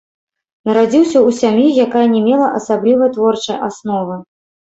Нарадзіўся ў сям'і, якая не мела асаблівай творчай асновы.